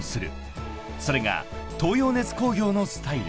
［それが東洋熱工業のスタイル］